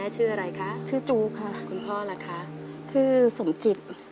ชื่อสมจิต